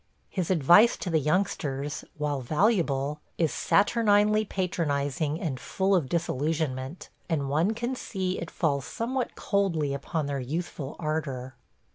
His advice to the youngsters, while valuable, is saturninely patronizing and full of disillusionment, and one can see it falls somewhat coldly upon their youthful ardor.